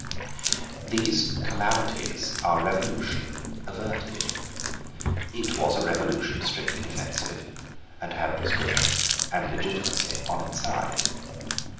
These calamities our Revolution averted. It was a revolution strictly defensive, and had prescription and legitimacy on its side.